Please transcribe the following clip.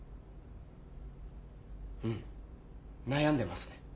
うん悩んでますね。